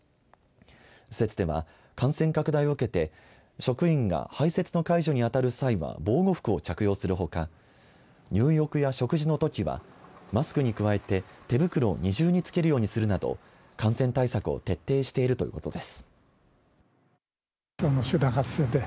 施設では、感染拡大を受けて職員が排せつの介助にあたる際は防護服を着用するほか入浴や食事のときはマスクに加えて手袋を二重に着けるようにするなど感染対策を徹底しているということです。